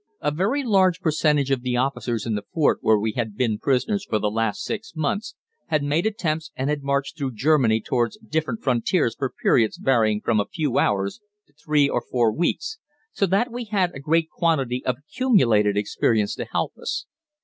A very large percentage of the officers in the fort where we had been prisoners for the last six months had made attempts and had marched through Germany towards different frontiers for periods varying from a few hours to three or four weeks, so that we had a great quantity of accumulated experience to help us.